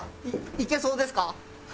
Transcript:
いけそうですか？